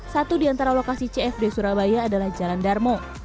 satu di antara lokasi cfd surabaya adalah jalan darmo